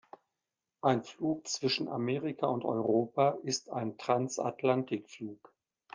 Ein Flug zwischen Amerika und Europa ist ein Transatlantikflug.